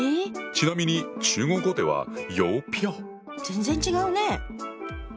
⁉ちなみに中国語では全然違うね。